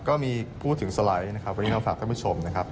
ก็มีพูดถึงสไลด์วันนี้เราฝากท่านผู้ชม